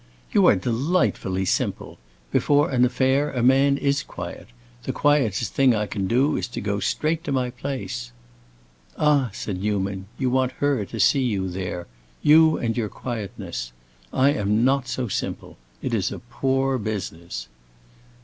"You are delightfully simple! Before an affair a man is quiet. The quietest thing I can do is to go straight to my place." "Ah," said Newman, "you want her to see you there—you and your quietness. I am not so simple! It is a poor business."